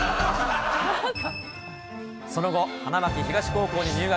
その後、花巻東高校に入学。